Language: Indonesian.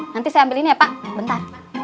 nanti saya ambil ini ya pak bentar